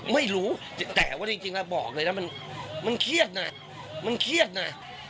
ไม่รู้แต่ว่าจริงแล้วบอกเลยนะมันเครียดนะมันเครียดนะ